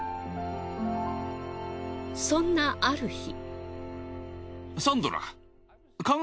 そんなある日。